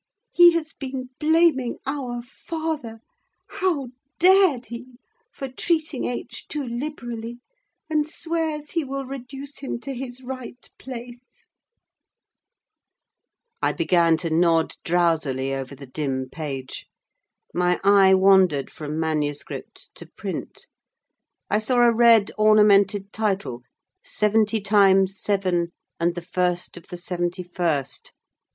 He has been blaming our father (how dared he?) for treating H. too liberally; and swears he will reduce him to his right place—" I began to nod drowsily over the dim page: my eye wandered from manuscript to print. I saw a red ornamented title—"Seventy Times Seven, and the First of the Seventy First.